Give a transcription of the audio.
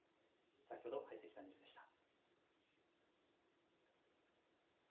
先ほど入ってきたニュースでした。